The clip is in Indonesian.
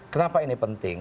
kenapa ini penting